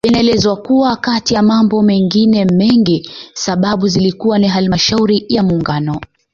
Inaelezwa kuwa kati ya mambo mengine mengi sababu zilikuwa ni Halmashauri ya muungano